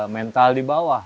mental di bawah